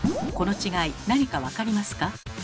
この違いなにか分かりますか？